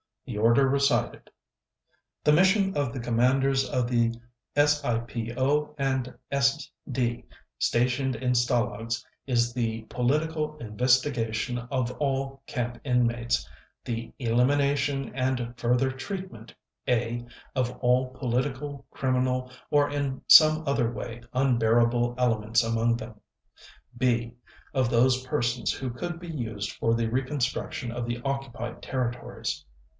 The order recited: "The mission of the Commanders of the SIPO and SD stationed in Stalags is the political investigation of all camp inmates, the elimination and further 'treatment' (a) of all political, criminal, or in some other way unbearable elements among them, (b) of those persons who could be used for the reconstruction of the occupied territories